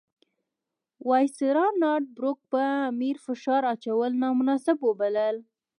وایسرا نارت بروک پر امیر فشار اچول نامناسب وبلل.